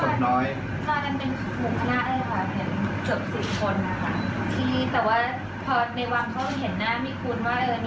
เขามีเรียนไปตัดคุณ